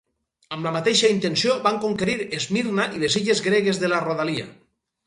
Amb la mateixa intenció van conquerir Esmirna i les illes gregues de la rodalia.